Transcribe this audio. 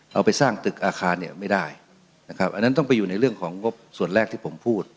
เอาไปสร้างตึกอาคารเนี่ยไม่ได้นะครับอันนั้นต้องไปอยู่ในเรื่องของงบส่วนแรกที่ผมพูด